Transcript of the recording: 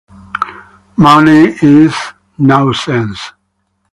Money is nonsense.